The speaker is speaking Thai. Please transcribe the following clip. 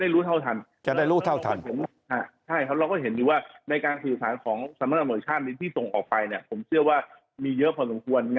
แล้วก็เห็นอยู่ว่าในการสื่อสารของสำนักอำนวชิกช่างมีที่ตรงออกไปเนี่ยผมเชื่อว่ามีเยอะพอสมควร